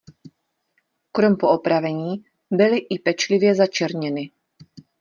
Krom poopravení byly i pečlivě začerněny.